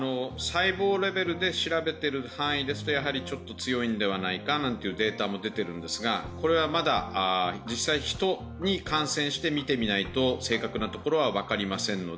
細胞レベルで調べてる範囲ですとやはりちょっと強いのではないかというデータも出ていますがこれはまだ実際、ヒトに感染してみてみないと、正確なところは分かりません。